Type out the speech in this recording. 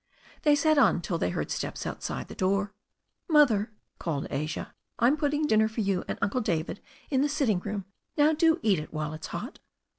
They sat on till they heard steps outside the door. "Mother," called Asia. "I'm putting dinner for you and Uncle David in the sitting room. Now do eat it while it's hot."